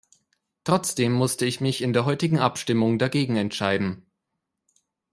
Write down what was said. Trotzdem musste ich mich in der heutigen Abstimmung dagegen entscheiden.